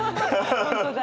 本当だ。